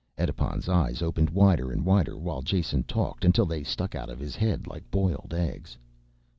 Edipon's eyes opened wider and wider while Jason talked until they stuck out of his head like boiled eggs.